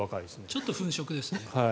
ちょっと粉飾ですね。